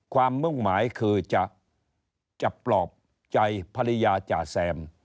มุ่งหมายคือจะปลอบใจภรรยาจ่าแซม